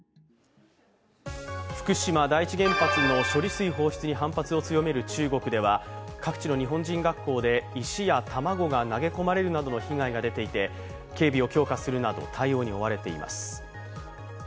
福島第一原発の処理水放出に反発を強める中国では各地の日本人学校で石や卵が投げ込まれるなどの被害が出ていて、警備を強化するなど、対応に追われています。